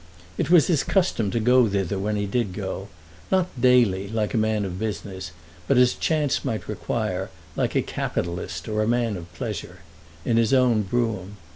It was his custom to go thither when he did go, not daily like a man of business, but as chance might require, like a capitalist or a man of pleasure, in his own brougham.